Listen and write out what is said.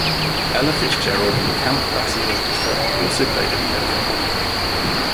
Ella Fitzgerald and the Count Basie Orchestra also played at the Kelvin Hall.